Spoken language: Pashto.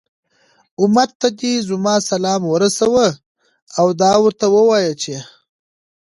أمت ته دي زما سلام ورسوه، او دا ورته ووايه چې